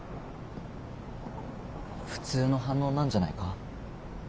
普通の反応なんじゃないか？